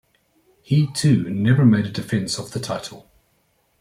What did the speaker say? He too never made a defense of the title.